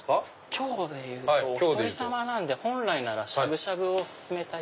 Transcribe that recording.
今日でいうとお１人さまなので本来しゃぶしゃぶを薦めたい。